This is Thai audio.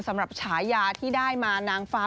สำหรับชายาที่ได้มานางฟ้า